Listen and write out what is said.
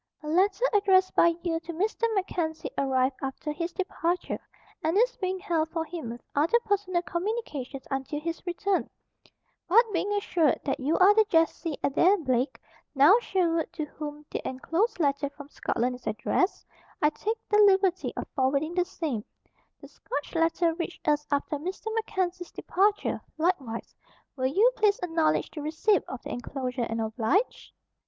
"A letter addressed by you to Mr. MacKenzie arrived after his departure and is being held for him with other personal communications until his return; but being assured that you are the Jessie Adair Blake, now Sherwood to whom the enclosed letter from Scotland is addressed, I take the liberty of forwarding the same. The Scotch letter reached us after Mr. MacKenzie's departure, likewise. Will you please acknowledge the receipt of the enclosure and oblige?"